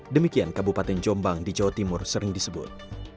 demikian kabupaten jombang di jawa timur sering disebut